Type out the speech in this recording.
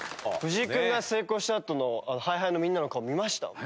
藤井君が成功したあとのＨｉＨｉのみんなの顔見ました？